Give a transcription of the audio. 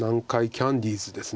キャンディーズです。